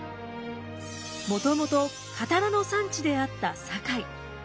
もともと刀の産地であった堺。